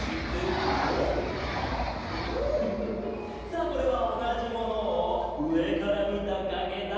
さあこれはおなじものをうえからみたかげだ。